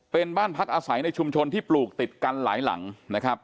เป็นบ้านพักอาศัยในชุมชนที่ปลูกติดกันหลายหลังนะครับ